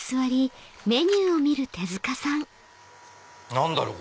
何だろう？